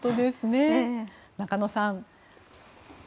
中野さん。